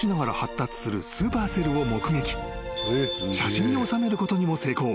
［写真に収めることにも成功］